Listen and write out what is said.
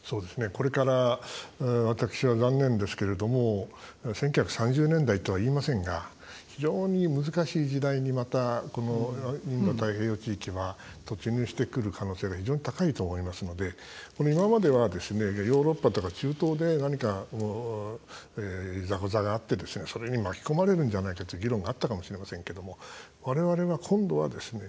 これから、私は残念ですけれども１９３０年代とは言いませんが非常に難しい時代にまた、このインド太平洋地域は突入してくる可能性が非常に高いと思いますので今までは、ヨーロッパとか中東で何か、いざこざがあってそれに巻き込まれるんじゃないかという議論があったかもしれませんけどもわれわれは、今度はですね